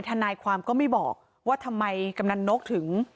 ทนายความก็ไม่บอกว่าทำไมกำนันนกถึง